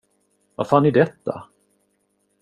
Vad fan är detta?